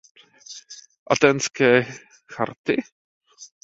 Athénské charty.